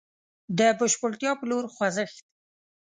د بشپړتيا په لور خوځښت.